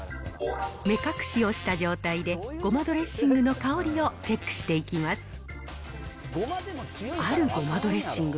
目隠しをした状態で、ごまドレッシングの香りをチェックしていきます。